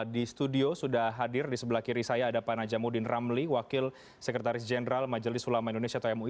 di studio sudah hadir di sebelah kiri saya ada pak najamuddin ramli wakil sekretaris jenderal majelis ulama indonesia atau mui